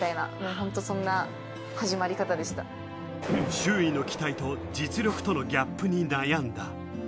周囲の期待と実力とのギャップに悩んだ。